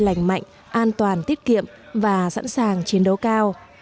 lành mạnh an toàn tiết kiệm và sẵn sàng chiến đấu cao